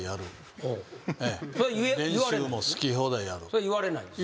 それ言われないんですか？